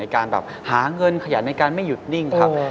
การแบบหาเงินขยันในการไม่หยุดนิ่งครับ